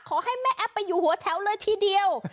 ขอให้แม่แอ๊บไปอยู่หัวแถวเลยทีเดียว